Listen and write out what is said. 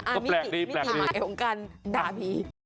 ก็แปลกดีแปลกดีค่ะมิติมิติมาเอ็งกันด่าผี